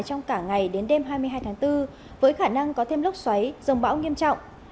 trong cả ngày đến đêm hai mươi hai tháng bốn với khả năng có thêm lốc xoáy rông bão nghiêm trọng